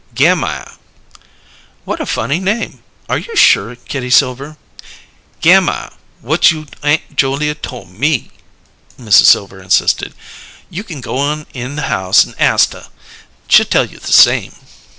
"Gammire." "What a funny name! Are you sure, Kitty Silver?" "Gammire whut you' Aunt Julia tole me," Mrs. Silver insisted. "You kin go on in the house an' ast her; she'll tell you the same."